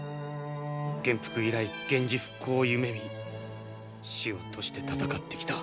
元服以来源氏復興を夢み死を賭して戦ってきた。